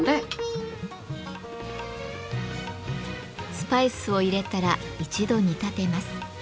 スパイスを入れたら一度煮立てます。